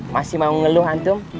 masih mau ngeluh antum